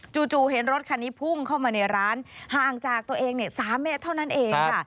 จู่เห็นรถคันนี้พุ่งเข้ามาในร้านห่างจากตัวเอง๓เมตรเท่านั้นเองค่ะ